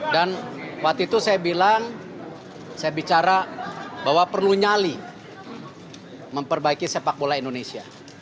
dan waktu itu saya bilang saya bicara bahwa perlu nyali memperbaiki sepak bola indonesia